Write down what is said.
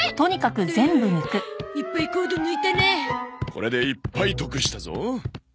これでいっぱい得したぞ。